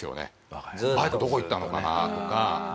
バイクどこいったのかな？とか。